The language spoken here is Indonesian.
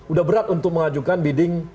udah berat untuk mengajukan bidding